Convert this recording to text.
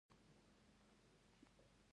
کابل د افغانستان یو خورا ارزښتناک طبعي ثروت دی.